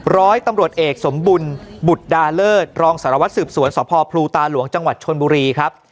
ร้อยตำรวจเอกสมบุญบุตรดาเลิศรองสารวัตรสืบสวนสพพลูตาหลวงจังหวัดชนบุรีครับ